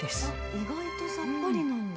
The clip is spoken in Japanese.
意外とさっぱりなんだ。